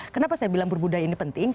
kenapa saya bilang berbudaya ini penting